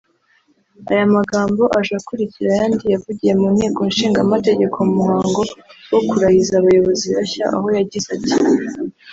Aya magambo aje akurikira ayandi yavugiye mu nteko ishingamategeko mu muhango wo kurahiza abayobozi bashya aho yagize ati